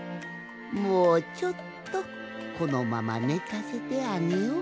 もうちょっとこのままねかせてあげようかの。